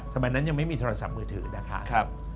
สมัยนั้นยังไม่มีโทรศัพท์มือถือนะคะ